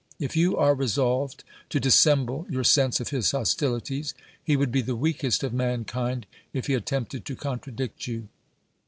If you are resolved to dissemble your sense of his hostilities, he would be the weakest of mankind if he attempted to contradict you.